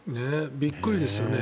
びっくりですよね。